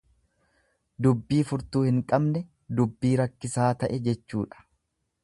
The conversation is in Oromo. Dubbii furtuu hin qabne, dubbii rakkisaa ta'e jechuudha.